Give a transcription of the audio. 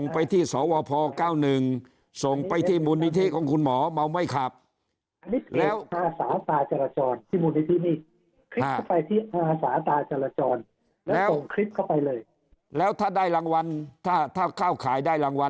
ไปที่อาศาสตราจรจรแล้วคลิปเข้าไปเลยแล้วถ้าได้รางวัลถ้าถ้าข้าวขายได้รางวัล